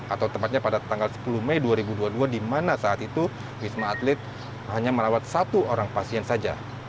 atau tepatnya pada tanggal sepuluh mei dua ribu dua puluh dua di mana saat itu wisma atlet hanya merawat satu orang pasien saja